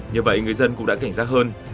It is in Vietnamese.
như vậy người dân cũng đã cảnh giác hơn